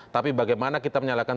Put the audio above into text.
tapi bagaimana kita menyalakan